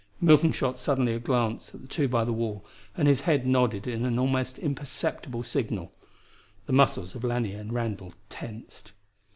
Milton shot suddenly a glance at the two by the wall, and his head nodded in an almost imperceptible signal. The muscles of Lanier and Randall tensed.